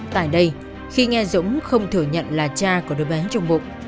tại đây khi nghe dũng không thừa nhận là cha của đối bán trồng bộ